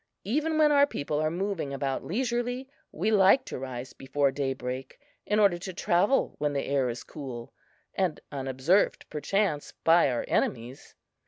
Even when our people are moving about leisurely, we like to rise before daybreak, in order to travel when the air is cool, and unobserved, perchance, by our enemies.